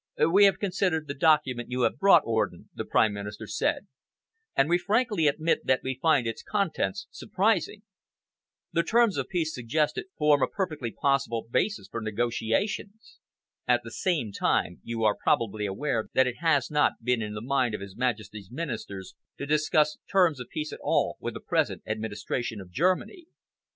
"We have considered the document you have brought, Orden," the Prime Minister said, "and we frankly admit that we find its contents surprising. The terms of peace suggested form a perfectly possible basis for negotiations. At the same time, you are probably aware that it has not been in the mind of His Majesty's Ministers to discuss terms of peace at all with the present administration of Germany."